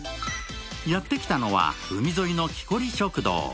やってきたのは、海沿いのキコリ食堂。